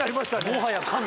もはや神。